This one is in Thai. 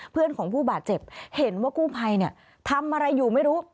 เพื่อนของผู้บาดเจ็บเห็นว่ากู้ภัยเนี่ยทำอะไรอยู่ไม่รู้